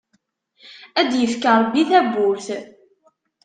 Ad d-yefk Ṛebbi tabburt!